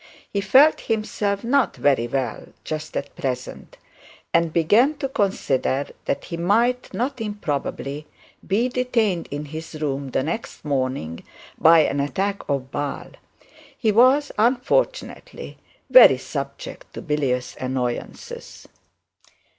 He felt himself not very well just at present; and began to consider that he might, not improbably, be detained in his room the next morning by an attack of bile. He was, unfortunately, very subject to bilious annoyances.